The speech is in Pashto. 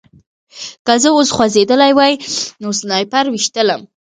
که زه اوس خوځېدلی وای نو سنایپر ویشتلم